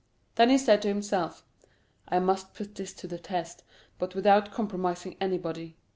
Then he said to himself: "I must put this to the test, but without compromising anybody.